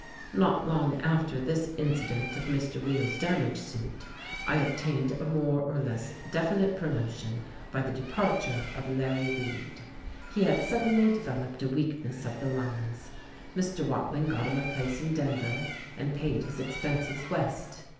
Not long after this incident of Mr. Weill's damage suit I obtained a more or less definite promotion by the departure of Larry Weed. He had suddenly developed a weakness of the lungs. Mr. Watling got him a place in Denver, and paid his expenses west.